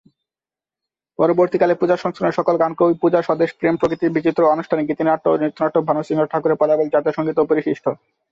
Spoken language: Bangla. পরবর্তীকালে এই সংস্করণের সকল গান কবি ‘পূজা’, ‘স্বদেশ’, ‘প্রেম’, ‘প্রকৃতি’, ‘বিচিত্র’ ও ‘আনুষ্ঠানিক’,'গীতিনাট্য ও নৃত্যনাট্য','ভানুসিংহ ঠাকুরের পদাবলী,'জাতীয় সংগীত' ও 'পরিশিষ্ট'।